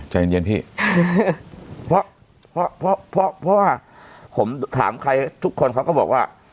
ใจเย็นเย็นพี่เพราะว่าผมถามใครทุกคนเขาก็บอกว่า